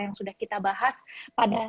yang sudah kita bahas pada